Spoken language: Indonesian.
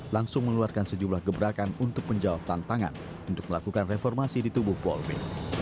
langsung mengeluarkan sejumlah gebrakan untuk menjawab tantangan untuk melakukan reformasi di tubuh polri